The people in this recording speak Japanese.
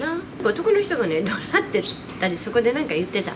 男の人がどなってたり、そこでなんか言ってた。